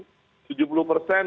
jangan lupa pada waktu flu burung